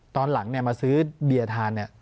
ตอนหลังเนี่ยมาซื้อเบียร์ทานเนี่ย